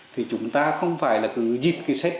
thì chúng ta không phải là cứ dịp cái sách